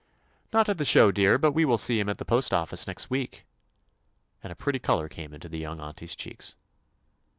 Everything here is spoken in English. "Not at the show, dear, but we will see him at the postoffice next week," and a pretty color came into the young auntie's cheeks.